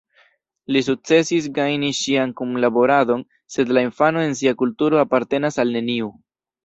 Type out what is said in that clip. Li sukcesis gajni ŝian kunlaboradon, sed la infano en sia kulturo apartenas al neniu.